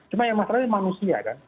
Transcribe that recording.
cuma yang masalahnya manusia